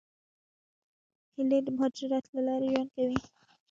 هیلۍ د مهاجرت له لارې ژوند کوي